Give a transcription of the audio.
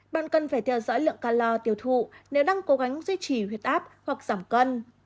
bạn cần phải theo dõi lượng calor tiêu thụ nếu đang cố gắng duy trì huyết áp hoặc giảm cân